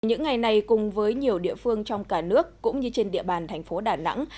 những ngày này cùng với nhiều địa phương trong cả nước cũng như trên địa bàn thành phố đà nẵng